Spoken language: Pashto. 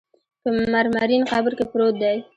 په مرمرین قبر کې پروت دی.